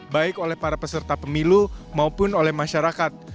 baik oleh para peserta pemilu maupun oleh masyarakat